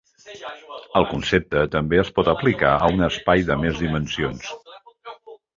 El concepte també es pot aplicar a un espai de més dimensions.